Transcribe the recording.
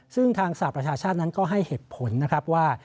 ซึ่งทางสหประชาชาตินั้นก็ให้เหตุผลนะครับว่า